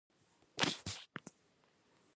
کچالو سره چټني خوند کوي